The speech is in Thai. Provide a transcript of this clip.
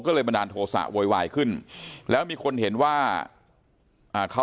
ก็เลยบันดาลโทษะโวยวายขึ้นแล้วมีคนเห็นว่าอ่าเขา